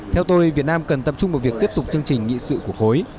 theo tôi việt nam cần tập trung vào việc tiếp tục chương trình nghị sự của khối